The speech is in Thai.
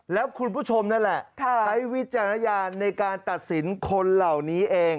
แล้วคุณผู้ชมนั่นแหละใช้วิจารณญาณในการตัดสินคนเหล่านี้เอง